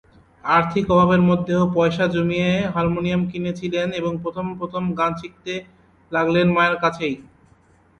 আর্থিক অভাবের মধ্যেও পয়সা জমিয়ে হারমোনিয়াম কিনে ছিলেন এবং প্রথম প্রথম গান শিখতে লাগলেন মায়ের কাছেই।